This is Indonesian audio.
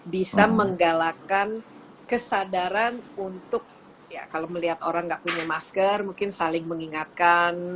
bisa menggalakkan kesadaran untuk ya kalau melihat orang nggak punya masker mungkin saling mengingatkan